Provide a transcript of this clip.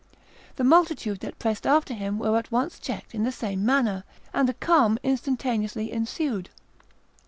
The multitude that pressed after him were at once checked in the same manner, and a calm instantaneously ensued.